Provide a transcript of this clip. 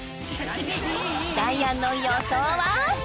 ダイアンの予想は？